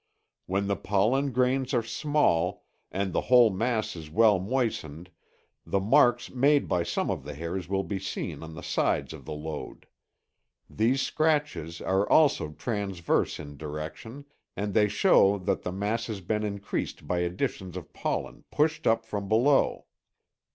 When the pollen grains are small and the whole mass is well moistened the marks made by some of the hairs will be seen on the sides of the load. (See fig. 9, a.) These scratches are also transverse in direction and they show that the mass has been increased by additions of pollen pushed up from below.